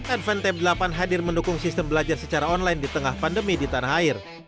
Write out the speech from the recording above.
advantep delapan hadir mendukung sistem belajar secara online di tengah pandemi di tanah air